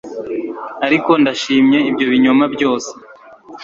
ariko ndashimye ibyo binyoma byose